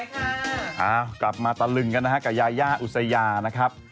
เอากลับมาตะลึงกันนะฮะกับยายาอุสยานะครับ